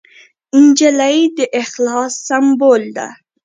نجلۍ د اخلاص سمبول ده.